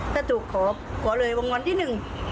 ถ้าถูกขอขอเลยวงวันที่หนึ่ง